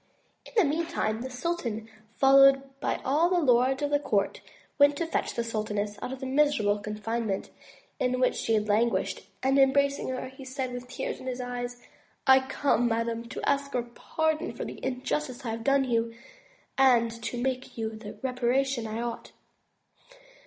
In the meantime, the sultan, followed by all the lords of his court, went to fetch the sultaness out of the miserable confine ment in which she had languished, and embracing her, he said with tears in his eyes: "I come, madame, to ask your pardon for the injustice I have done you, and to make you the reparation I ought.